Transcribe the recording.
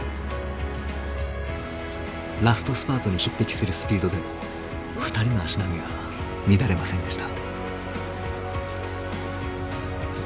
ラストスパートに匹敵するスピードでも２人の足並みは乱れませんでした。